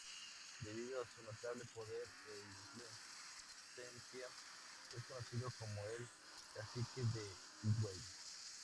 Debido a su notable poder e influencia es conocido como el ""Cacique de Higüey"".